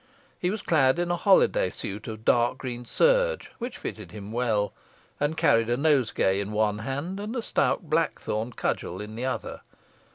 He was clad in a holiday suit of dark green serge, which fitted him well, and carried a nosegay in one hand, and a stout blackthorn cudgel in the other.